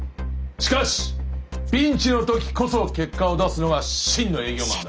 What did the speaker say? しかしピンチの時こそ結果を出すのが真の営業マンだ。